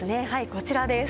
こちらです。